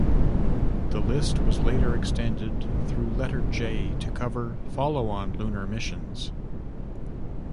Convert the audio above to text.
This list was later extended through letter J to cover follow-on lunar missions.